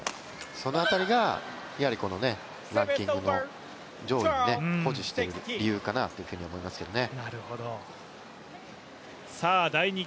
その辺りがこのランキングの上位を保持している理由かなと思いますけどね。